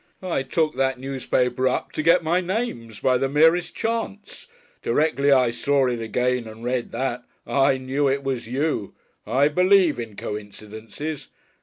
I took that newspaper up to get my names by the merest chance. Directly I saw it again and read that I knew it was you. I believe in coincidences.